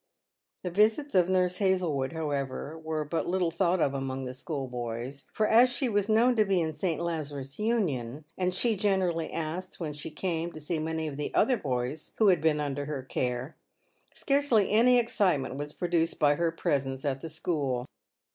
The visits of Nurse Hazlewood, however, w r ere but little thought of among the schoolboys ; for as she was known to be in St. Lazarus Union, and she generally asked, when she came, to see many of the other boys who had been under her care, scarcely any excitement was produced by her presence at the school.